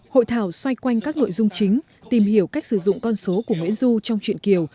hội thảo xoay quanh các nội dung chính tìm hiểu cách sử dụng con số của nguyễn du trong chuyện kiều